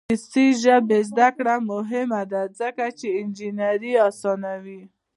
د انګلیسي ژبې زده کړه مهمه ده ځکه چې انجینري اسانوي.